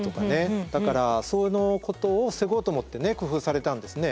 だからそのことを防ごうと思って工夫されたんですね。